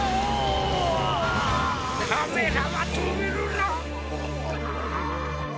カメラはとめるな。